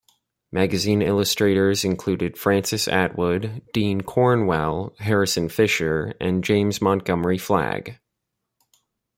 Magazine illustrators included Francis Attwood, Dean Cornwell, Harrison Fisher, and James Montgomery Flagg.